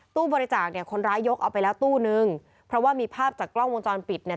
ตู้บริจาคเนี่ยคนร้ายยกเอาไปแล้วตู้นึงเพราะว่ามีภาพจากกล้องวงจรปิดเนี่ย